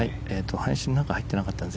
林の中に入ってなかったです。